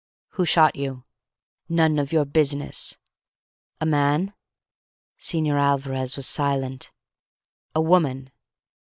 "Who shot you?" "None of your business." "A man?" Señor Alvarez was silent. "A woman?"